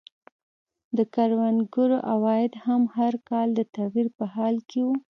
د کروندګرو عواید هم هر کال د تغییر په حال کې وو.